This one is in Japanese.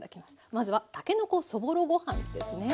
まずはたけのこそぼろご飯ですね。